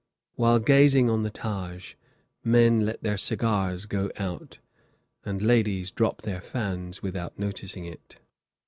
While gazing on the Taj, men let their cigars go out, and ladies drop their fans without noticing it.